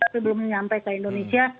tapi belum sampai ke indonesia